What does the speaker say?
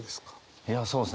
いやそうですね